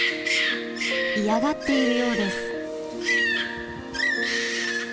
嫌がっているようです。